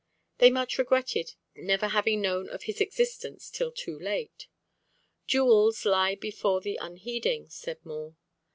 They much regretted never having known of his existence till too late. "Jewels lie before the unheeding!" said More.